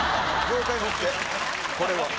これは。